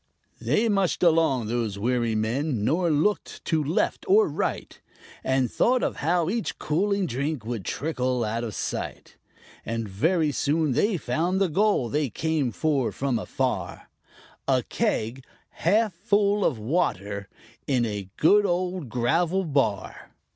They mushed along, those weary men, nor looked to left or right, But thought of how each cooling drink would trickle out of sight; And very soon they found the goal they came for from afar _A keg, half full of water, in a good old gravel bar!